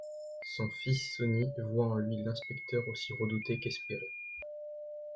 Son fils Sony voit en lui l'inspecteur aussi redouté qu'espéré.